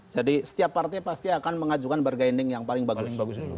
jadi setiap partai pasti akan mengajukan bargaining yang paling bagus